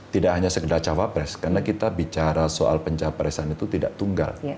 tidak hanya segera cowok pres karena kita bicara soal pencaparesan itu tidak tunggal